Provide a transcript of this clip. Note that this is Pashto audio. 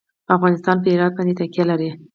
افغانستان په هرات باندې تکیه لري.